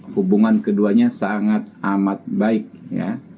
hubungan keduanya sangat amat baik ya